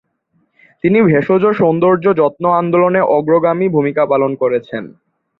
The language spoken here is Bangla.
তিনি ভেষজ সৌন্দর্য যত্ন আন্দোলনে অগ্রগামী ভূমিকা পালন করেছেন।